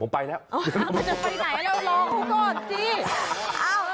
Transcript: อ้าวมันจะไปไหนเราลองกันก่อนสิ